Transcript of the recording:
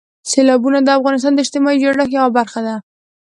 سیلابونه د افغانستان د اجتماعي جوړښت یوه برخه ده.